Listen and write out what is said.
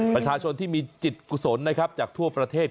ประชาชนที่มีจิตกุศลนะครับจากทั่วประเทศ